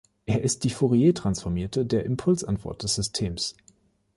Er ist die Fourier-Transformierte der Impulsantwort des Systems.